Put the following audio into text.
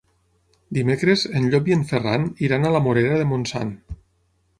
Dimecres en Llop i en Ferran iran a la Morera de Montsant.